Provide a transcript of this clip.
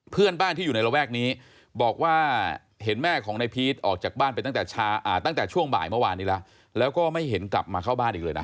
เพื่อนบ้านที่อยู่ในระแวกนี้บอกว่าเห็นแม่ของนายพีชออกจากบ้านไปตั้งแต่ช่วงบ่ายเมื่อวานนี้แล้วแล้วก็ไม่เห็นกลับมาเข้าบ้านอีกเลยนะ